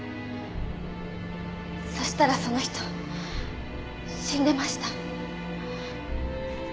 そしたらその人死んでました。